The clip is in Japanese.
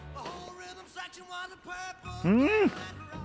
うん！